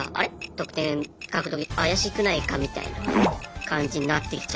特典獲得怪しくないかみたいな感じになってきちゃって。